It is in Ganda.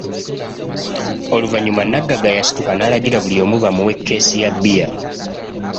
Oluvannyuma naggagga yasituka n'alagira buli omu bamuwe keesi ya bbiya!